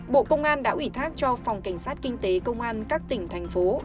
bộ công an đã ủy thác cho phòng cảnh sát kinh tế công an các tỉnh thành phố